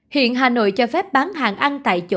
hiện hà nội cho phép bán hàng ăn tại chỗ